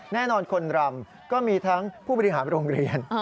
แน่นอนคนรำก็มีทั้งผู้บริหารโรงเรียน